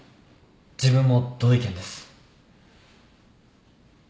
自分も同意見です。